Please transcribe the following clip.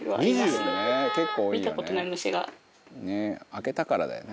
「開けたからだよね。